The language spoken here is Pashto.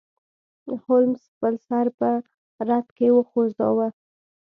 هولمز خپل سر په رد کې وخوزاوه.